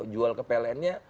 jual ke plnnya